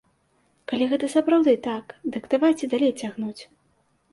Калі гэта сапраўды так, дык давайце далей цягнуць.